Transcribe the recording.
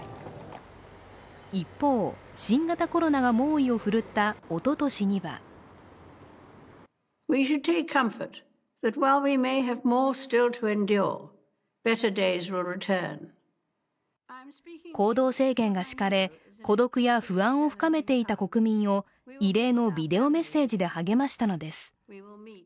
一方、新型コロナが猛威を振るったおととしには行動制限が敷かれ、孤独や不安を深めていた国民を異例のビデオメッセージで励ましたのです。